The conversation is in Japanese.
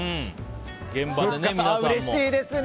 うれしいですね。